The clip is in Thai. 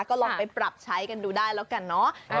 ก็ลองไปปรับใช้กันดูได้แล้วกันเนาะ